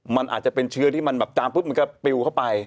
มันอาจจะเป็นเชื้อที่มันแบบจามปุ๊บมันก็ปิวเข้าไป